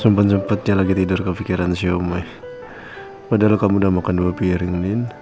sempat sempatnya lagi tidur kepikiran xiaomi padahal kamu udah makan dua piring